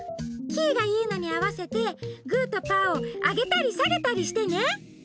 キイがいうのにあわせてグーとパーをあげたりさげたりしてね。